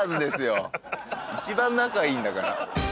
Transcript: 一番仲いいんだから。